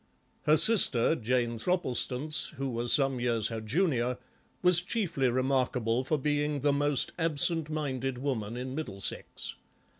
Her sister, Jane Thropplestance, who was some years her junior, was chiefly remarkable for being the most absent minded woman in Middlesex.